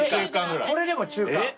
これでも中間？